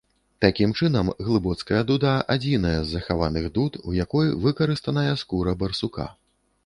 Такім чынам, глыбоцкая дуда адзіная з захаваных дуд, у якой выкарыстаная скура барсука.